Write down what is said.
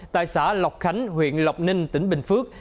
tại xã lọc khánh huyện lọc ninh tỉnh bình phước